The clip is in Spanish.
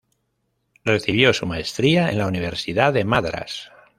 Recibió su maestría en la Universidad de Madras.